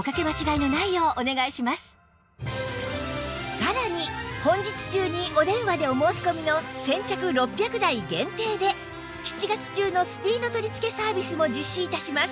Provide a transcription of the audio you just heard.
さらに本日中にお電話でお申し込みの先着６００台限定で７月中のスピード取付けサービスも実施致します